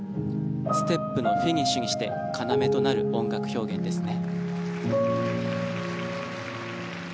ステップのフィニッシュにして要となる音楽表現ですね。